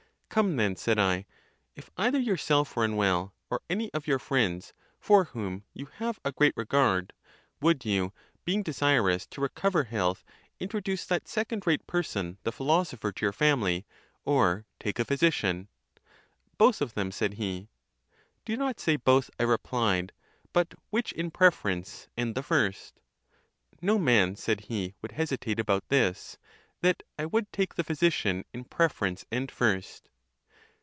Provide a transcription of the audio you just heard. —Come then, said 1, if either yourself were unwell, or any of your friends, for whom you have a great re gard, would you, being desirous to recover health, introduce that second rate person, the philosopher, to your family; or take a physician.—Both of them, said he.—Do not say both, I replied; but which in preference, and the first >No man, said he, would hesitate about this, that (1 would take) the physician in preference and first.